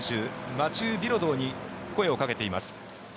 マチュー・ビロドーに声をかけています。